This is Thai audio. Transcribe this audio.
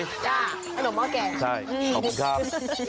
อ่ะอร่อยมากแก่งค่ะอืมใช่ขอบคุณครับ